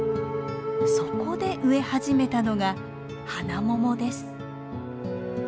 そこで植え始めたのがハナモモです。